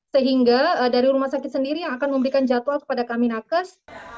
sehingga dari rumah sakit sendiri yang akan memberikan jadwal kepada kami nakes